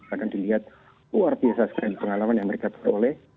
akan dilihat luar biasa sekali pengalaman yang mereka peroleh